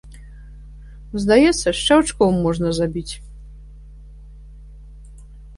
Здаецца, шчаўчком можна забіць!